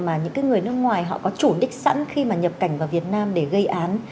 mà những người nước ngoài họ có chủ đích sẵn khi mà nhập cảnh vào việt nam để gây án